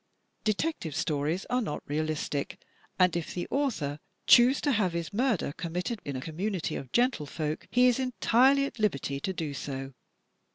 Detective Stories are not realistic, and if the author choose to have his murder committed in a community of gentle folk, he is entirely at liberty to do so.